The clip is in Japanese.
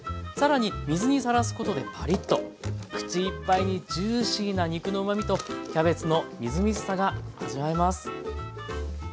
更に水にさらすことでパリッと口いっぱいにジューシーな肉のうまみとキャベツのみずみずしさが味わえます。